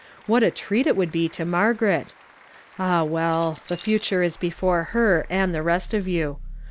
What a treat it would be to Margaret ! Ah, well, the future is befoi e her and the rest of you.